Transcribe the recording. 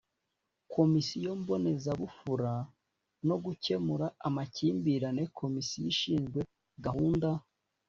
Komisiyo Mbonezabupfura no gukemura amakimbirane; Komisiyo ishinzwe gahunda